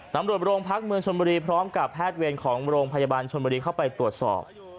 ตำรวจโรงพักเมืองชนบุรีพร้อมกับแพทย์เวรของโรงพยาบาลชนบุรีเข้าไปตรวจสอบ